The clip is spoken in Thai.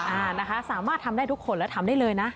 อ่านะคะสามารถทำได้ทุกคนและทำได้เลยนะ